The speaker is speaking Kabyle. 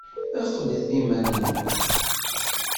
Ɛqlet iman-nwen!